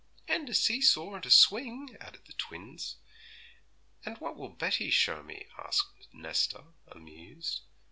'And a see saw and a swing,' added the twins. 'And what will Betty show me?' asked Nesta, amused.